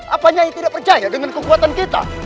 apa nyai tidak percaya dengan kekuatan kita